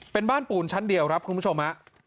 เป็นบ้านปูนชั้นเดียวครับคุณผู้ชมฮะ